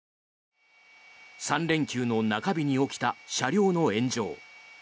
３連休の中日に起きた車両の炎上。